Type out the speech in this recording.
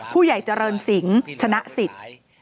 ผู้ใหญ่เจริญสิงชนะศิษย์